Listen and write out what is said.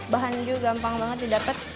bahan juga gampang banget didapat